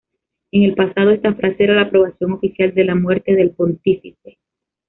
En el pasado, esta frase era la aprobación oficial de la muerte del pontífice.